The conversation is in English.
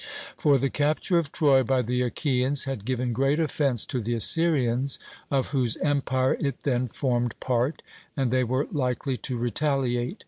For the capture of Troy by the Achaeans had given great offence to the Assyrians, of whose empire it then formed part, and they were likely to retaliate.